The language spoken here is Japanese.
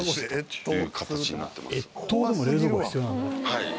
はい。